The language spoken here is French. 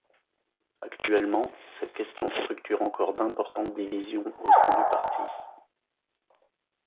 Actuellement, cette question structure encore d'importantes divisions au sein du parti.